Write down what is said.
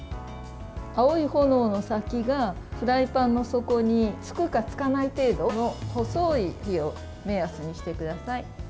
青い炎の先がフライパンの底につくかつかない程度の細い火を目安にしてください。